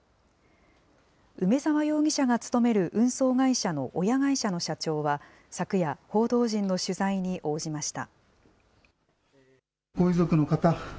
梅澤容疑者が勤める運送会社の親会社の社長は、昨夜、報道陣の取材に応じました。